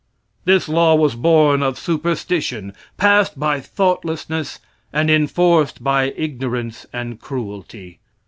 This law was born of superstition, passed by thoughtlessness and enforced by ignorance and cruelty.